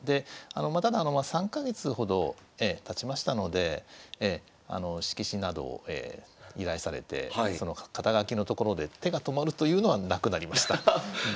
まあただ３か月ほどたちましたので色紙などを依頼されて肩書のところで手が止まるというのはなくなりました。